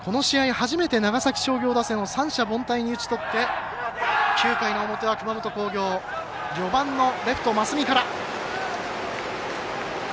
初めて長崎商業打線を三者凡退に打ち取って９回の表は熊本工業４番のレフト増見から。